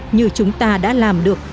như chúng ta đã làm được